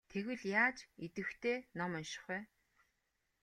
Тэгвэл яаж идэвхтэй ном унших вэ?